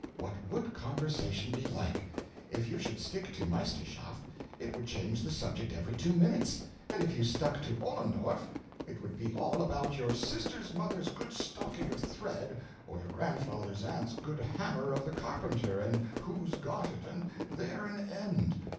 What would conversation be like! If you should stick to Meisterschaft, it would change the subject every two minutes; and if you stuck to Ollendorff, it would be all about your sister's mother's good stocking of thread, or your grandfather's aunt's good hammer of the carpenter, and who's got it, and there an end.